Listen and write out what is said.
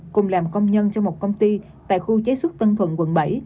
cùng làm công nhân trong một công ty tại khu chế xuất tân thuận quận bảy